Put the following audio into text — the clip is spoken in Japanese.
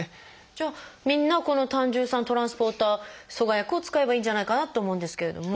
じゃあみんなこの胆汁酸トランスポーター阻害薬を使えばいいんじゃないかなと思うんですけれども。